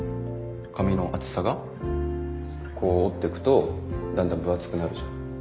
こう折ってくとだんだん分厚くなるじゃん。